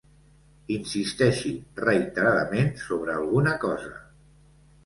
Insisteixi reiteradament sobre alguna cosa.